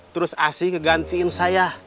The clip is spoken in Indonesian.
terus asih ngegantiin saya